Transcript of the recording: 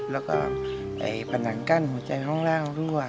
แล้วก็ผนังกั้นหัวใจห้องล่างรั่ว